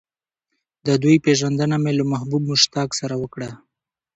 د دوی پېژندنه مې له محبوب مشتاق سره وکړه.